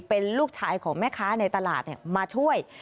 เป็นลูกชายของแม่ค้าในตลาดมาช่วย